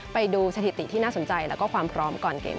ไปดูสถิติที่น่าสนใจและความพร้อม